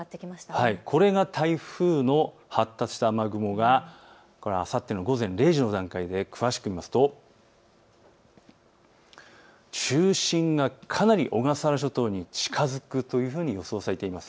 これが台風の発達した雨雲、あさっての午前０時の段階で詳しく見ますと中心がかなり小笠原諸島に近づくというふうに予想されています。